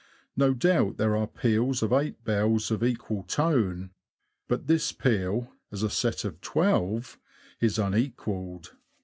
No doubt there are peals of eight bells of equal tone, but this peal, as a set of twelve^ is unequalled.